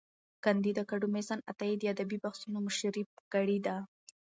کانديد اکاډميسن عطايي د ادبي بحثونو مشري کړې ده.